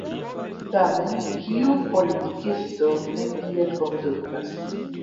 Tamen kiu politikisto ne tiel kondutas?